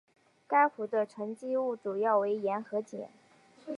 该湖的沉积物主要为盐和碱。